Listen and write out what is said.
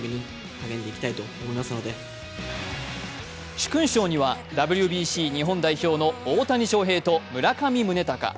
殊勲賞にはＷＢＣ日本代表の大谷翔平と村上宗隆。